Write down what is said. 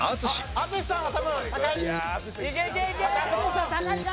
淳さんは高いか。